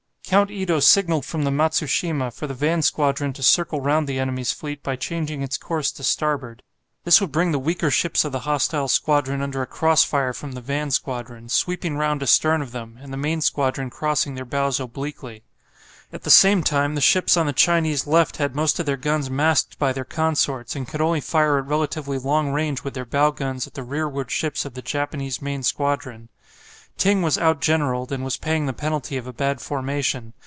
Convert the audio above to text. Count Ito signalled from the "Matsushima" for the van squadron to circle round the enemy's fleet by changing its course to starboard. This would bring the weaker ships of the hostile squadron under a cross fire from the van squadron, sweeping round astern of them, and the main squadron crossing their bows obliquely. At the same time the ships on the Chinese left had most of their guns masked by their consorts, and could only fire at relatively long range with their bow guns at the rearward ships of the Japanese main squadron. Ting was out generalled, and was paying the penalty of a bad formation.